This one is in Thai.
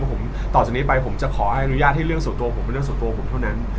ผมต่อจากนี้ไปผมจะขออนุญาตให้เรื่องส่วนตัวผมเป็นเรื่องส่วนตัวผมเท่านั้น